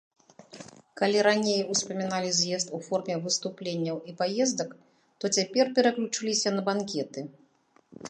Калі раней успаміналі з'езд у форме выступленняў і паездак, то цяпер пераключыліся на банкеты.